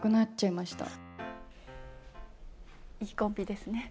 いいコンビですね。